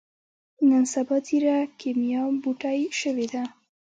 نن سبا ځيره کېميا بوټی شوې ده.